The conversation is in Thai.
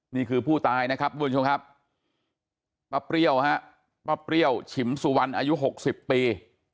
นี่คือผู้ตายนะครับทุกผู้ชมครับป้าเปรี้ยวฮะป้าเปรี้ยวฉิมสุวรรณอายุ๖๐ปี